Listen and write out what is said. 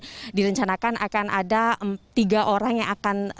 jadi direncanakan akan ada tiga orang yang akan